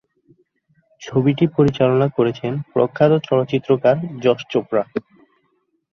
ছবিটি পরিচালনা করেছেন প্রখ্যাত চলচ্চিত্রকার যশ চোপড়া।